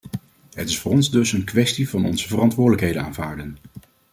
Het is voor ons dus een kwestie van onze verantwoordelijkheden aanvaarden.